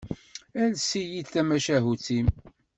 Ales-iyi-d tamacahut-im.